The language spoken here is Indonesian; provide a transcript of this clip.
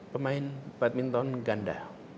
pemain badminton ganda